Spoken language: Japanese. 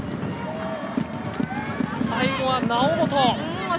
最後は猶本。